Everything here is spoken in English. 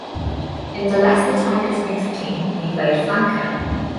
In the Leicester Tigers youth team, he played flanker.